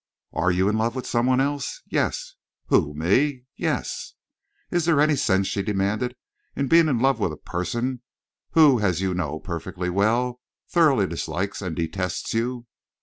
"Are you in love with some one else?" "Yes!" "Who? Me?" "Yes!" "Is there any sense," she demanded, "in being in love with a person who, as you perfectly well know, thoroughly dislikes and detests you?"